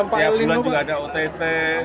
tiap bulan juga ada ott